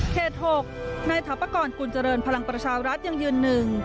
๖นายถาปกรกุญเจริญพลังประชารัฐยังยืนหนึ่ง